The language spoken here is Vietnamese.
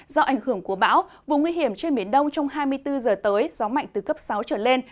do ảnh hưởng của bão vùng nguy hiểm trên biển đông trong hai mươi bốn giờ tới gió mạnh từ cấp sáu trở lên